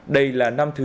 đây là năm thứ ba